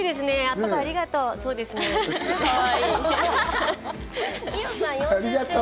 パパありがとう！